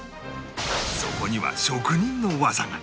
そこには職人の技が